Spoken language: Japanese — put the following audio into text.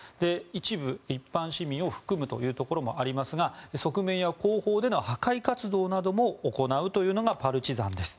一部、一般市民を含むというところもありますが側面や後方での破壊活動なども行うというのがパルチザンです。